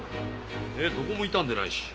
どこも傷んでないし。